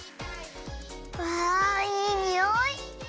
わあいいにおい！